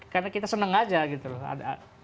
karena kita seneng aja gitu loh ada